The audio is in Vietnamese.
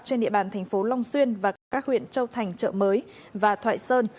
trên địa bàn thành phố long xuyên và cả các huyện châu thành chợ mới và thoại sơn